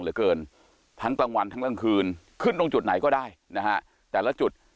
เหลือเกินทั้งกลางวันทั้งกลางคืนขึ้นตรงจุดไหนก็ได้นะฮะแต่ละจุด